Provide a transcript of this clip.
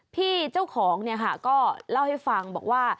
พี่เจ้าของเนี่ยค่ะก็เล่าให้ฟังบอกว่า